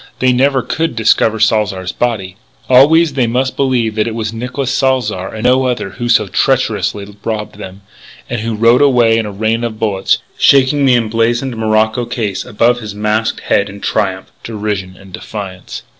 They never could discover Salzar's body. Always they must believe that it was Nicolas Salzar and no other who so treacherously robbed them, and who rode away in a rain of bullets, shaking the emblazoned morocco case above his masked head in triumph, derision and defiance.